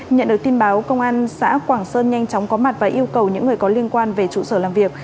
nhận được tin báo công an xã quảng sơn nhanh chóng có mặt và yêu cầu những người có liên quan về trụ sở làm việc